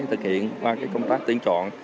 thực hiện qua công tác tiến trọn